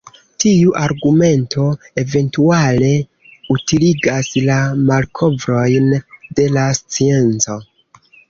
Tiu argumento, eventuale, utiligas la malkovrojn de la scienco.